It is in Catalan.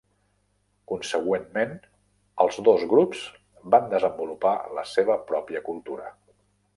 Consegüentment, els dos grups van desenvolupar la seva pròpia cultura.